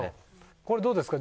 これどうですか？